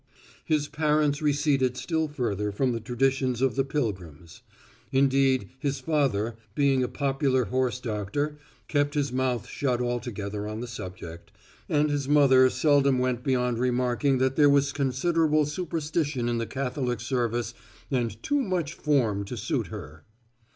His parents receded still further from the traditions of the Pilgrims. Indeed his father, being a popular horse doctor, kept his mouth shut altogether on the subject, and his mother seldom went beyond remarking that there was considerable superstition in the Catholic service and too much form to suit her.